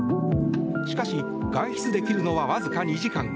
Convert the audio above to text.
しかし、外出できるのはわずか２時間。